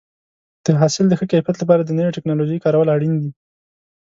د حاصل د ښه کیفیت لپاره د نوې ټکنالوژۍ کارول اړین دي.